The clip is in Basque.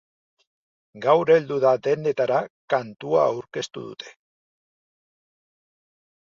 Gaur heldu da dendetara kantua aurkeztu dute.